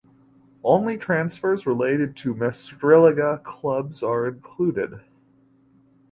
Only transfers related to Meistriliiga clubs are included.